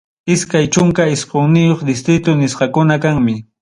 Iskay chunka isqunniyuq distrito nisqakuna kanmi.